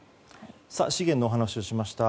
資源の話をしました。